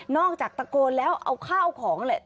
อกจากตะโกนแล้วเอาข้าวของแหละ